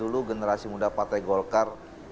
dulu generasi muda partai golkar